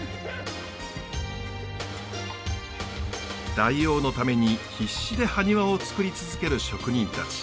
大王のために必死でハニワを作り続ける職人たち。